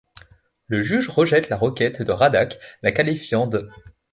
Le juge rejette la requête de Radack, la qualifiant d'.